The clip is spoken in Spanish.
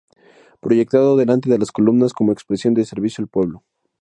Proyectado delante de las columnas como expresión de servicio al pueblo.